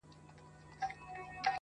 په دې دنيا کي ګوزاره وه ښه دى تېره سوله-